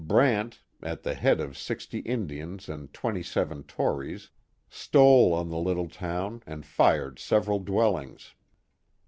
Brant, at the head of sixty Indians and twenty seven Tories, stole on the little town and fired several dwell ings.